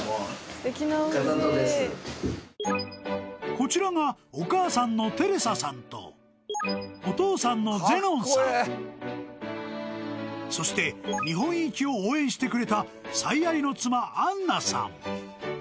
こちらがお母さんのテレサさんとお父さんのゼノンさんそして日本行きを応援してくれた最愛の妻アンナさん